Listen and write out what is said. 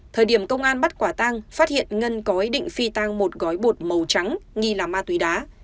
thời điểm công an bắt quả tang phát hiện ngân có ý định phi tăng một gói bột màu trắng nghi là ma túy đá